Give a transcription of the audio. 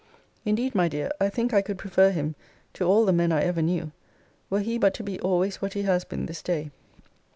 Indeed, my dear, I think I could prefer him to all the men I ever knew, were he but to be always what he has been this day.